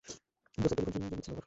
Joseph, telephone সংযোগ বিচ্ছিন্ন কর।